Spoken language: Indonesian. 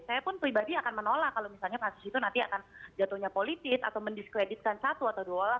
saya pun pribadi akan menolak kalau misalnya kasus itu nanti akan jatuhnya politis atau mendiskreditkan satu atau dua orang